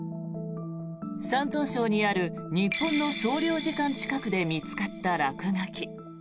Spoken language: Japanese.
山東省にある日本の総領事館近くで見つかった落書き。